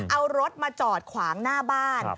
เอารถมาจอดขวางหน้าบ้าน